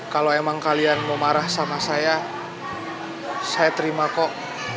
kalau emang kalian mau marah sama saya saya terima kok